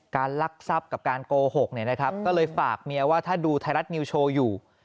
ลักทรัพย์กับการโกหกเนี่ยนะครับก็เลยฝากเมียว่าถ้าดูไทยรัฐนิวโชว์อยู่